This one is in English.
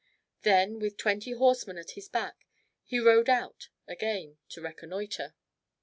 Then, with twenty horsemen at his back, he rode out again to reconnoitre.